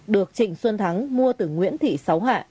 được trịnh xuân thắng mua từ nguyễn thị sáu hạ